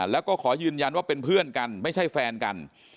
แล้วก็ขอยืนยันว่าเป็นเพื่อนกันไม่ใช่แฟนกัน